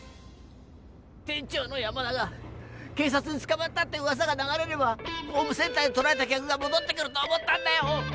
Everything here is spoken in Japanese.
店長の山田が警さつにつかまったってうわさが流れればホームセンターに取られた客がもどってくると思ったんだよ！